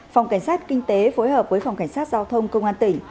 phòng cảnh sát kinh tế phối hợp với phòng cảnh sát giao thông công an tỉnh